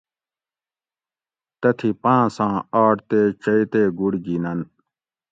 تتھی پانساں آٹ تے چئی تے گُڑ گِینن